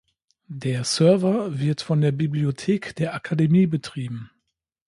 Der Server wird von der Bibliothek der Akademie betrieben.